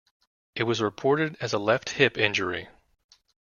It was reported as a left hip injury.